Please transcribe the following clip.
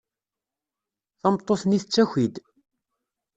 Tameṭṭut-nni tettaki-d.